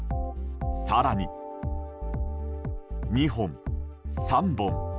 更に、２本、３本。